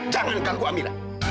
jangan ganggu amira